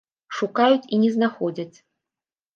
Шукаюць і не знаходзяць.